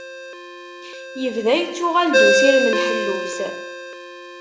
Yebda yettuɣal-d usirem n ḥellu-s.